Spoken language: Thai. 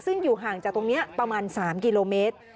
ซึ่งอยู่ห่างจากตรงนี้ประมาณ๓กิโลเมตร